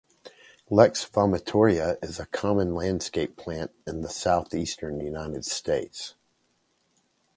"Ilex vomitoria" is a common landscape plant in the Southeastern United States.